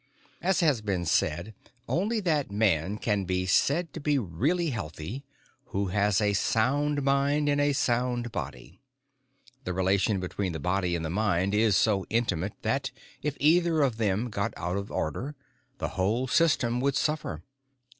As has been well said, only that man can be said to be really healthy, who has a sound mind in a sound body. The relation between the body and the mind is so intimate that, if either of them got out of order, the whole system would suffer.